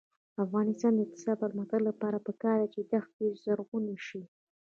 د افغانستان د اقتصادي پرمختګ لپاره پکار ده چې دښتي زرغونې شي.